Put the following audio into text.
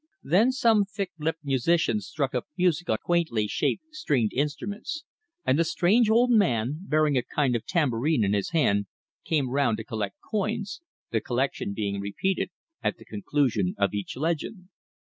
Then some thick lipped musicians struck up music on quaintly shaped stringed instruments, and the strange old man, bearing a kind of tambourine in his hand, came round to collect coins, the collection being repeated at the conclusion of each legend.